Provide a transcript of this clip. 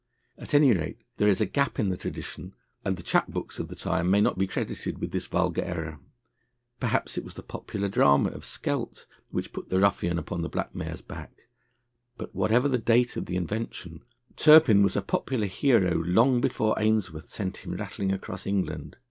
At any rate, there is a gap in the tradition, and the chap books of the time may not be credited with this vulgar error. Perhaps it was the popular drama of Skelt which put the ruffian upon the black mare's back; but whatever the date of the invention, Turpin was a popular hero long before Ainsworth sent him rattling across England.